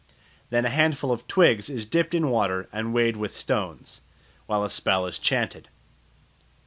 Then a handful of twigs is dipped in water and weighted with stones, while a spell is chanted.